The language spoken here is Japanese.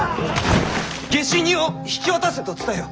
下手人を引き渡せと伝えよ。